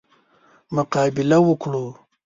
مقابله وکړو.